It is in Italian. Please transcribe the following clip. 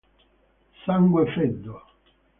Sangue freddo